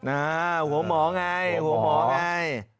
อ้าวหัวหมอไงหัวหมอไง